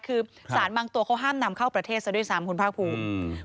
คือสารบางตัวเขาห้ามนำเข้าประเทศซะด้วยซ้ำคุณภาคภูมิ